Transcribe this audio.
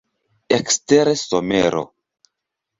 Ekstere somero.